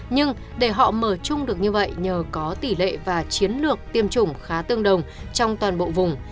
nhưng để họ mở chung được như vậy nhờ có tỷ lệ và chiến lược tiêm chủng khá tương đồng trong toàn bộ vùng